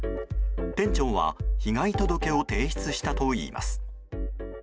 店長は、被害届を提出したといいます。